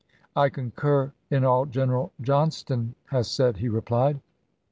" "I concur in all General Johnston has said," he replied.